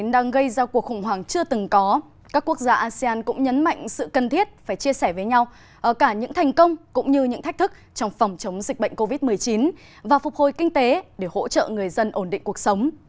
đang gây ra cuộc khủng hoảng chưa từng có các quốc gia asean cũng nhấn mạnh sự cần thiết phải chia sẻ với nhau cả những thành công cũng như những thách thức trong phòng chống dịch bệnh covid một mươi chín và phục hồi kinh tế để hỗ trợ người dân ổn định cuộc sống